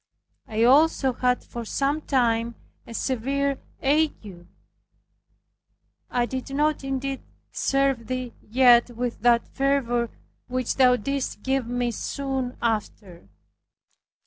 I also had for some time a severe ague. I did not indeed serve Thee yet with that fervor which Thou didst give me soon after.